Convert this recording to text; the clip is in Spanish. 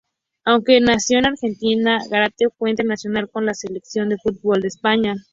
Aunque nació en Argentina, Gárate fue internacional con la Selección de fútbol de España.